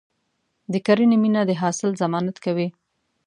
د کرنې مینه د حاصل ضمانت کوي.